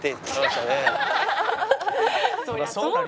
そりゃそうだよ